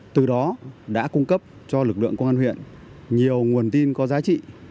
từ đó đã cung cấp cho lực lượng công an huyện nhiều nguồn tin có giá trị